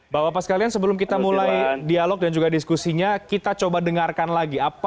bapak bapak sekalian sebelum kita mulai dialog dan juga diskusinya kita coba dengarkan lagi